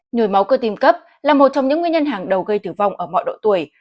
nhồi máu cơ tim cấp là một trong những nguyên nhân hàng đầu gây tử vong ở mọi độ tuổi